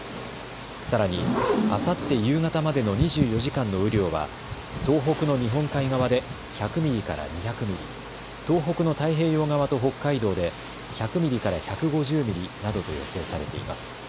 さらにあさって夕方までの２４時間の雨量は東北の日本海側で１００ミリから２００ミリ、東北の太平洋側と北海道で１００ミリから１５０ミリなどと予想されています。